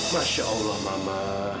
masya allah mama